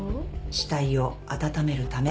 死体を温めるため。